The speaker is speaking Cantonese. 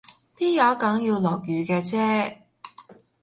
邊有梗要落雨嘅啫？